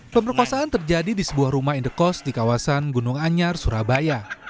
pemerkosaan terjadi di sebuah rumah indekos di kawasan gunung anyar surabaya